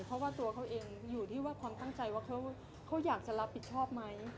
เพราะว่าตัวเขาเองอยู่ที่ว่าความตั้งใจว่าเขาอยากจะรับผิดชอบไหม